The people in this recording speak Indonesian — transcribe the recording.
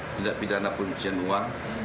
tidak pidana pun jenua